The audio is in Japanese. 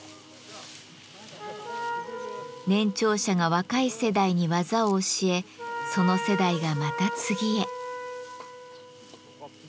年長者が若い世代に技を教えその世代がまた次へ。